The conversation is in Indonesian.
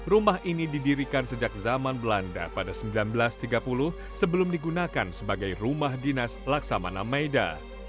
rumah ini didirikan sejak zaman belanda pada seribu sembilan ratus tiga puluh sebelum digunakan sebagai rumah dinas laksamana maida